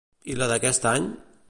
I la d'aquest any?